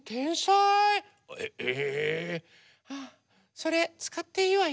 それつかっていいわよ。